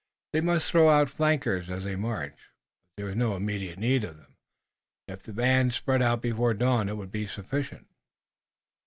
They must throw out flankers as they marched, but there was no immediate need of them. If the band spread out before dawn it would be sufficient.